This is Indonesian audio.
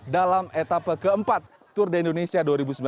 dalam etapa keempat tour de indonesia dua ribu sembilan belas